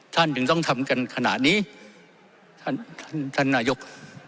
ท่านถึงต้องทำกันขนาดนี้ท่านท่านท่านนาโยค